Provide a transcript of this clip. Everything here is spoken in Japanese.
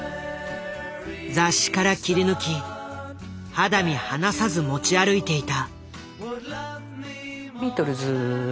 雑誌から切り抜き肌身離さず持ち歩いていた。